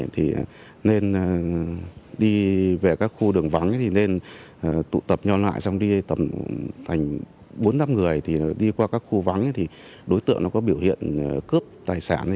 nên đi về các khu đường vắng nên tụ tập nhau lại xong đi tầm thành bốn năm người đi qua các khu vắng đối tượng có biểu hiện cướp tài sản